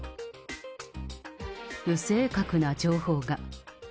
不正確な情報が。